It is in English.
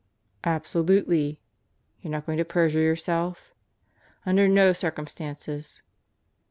"Absolutely." "You're not going to perjure yourself." "Under no circumstances."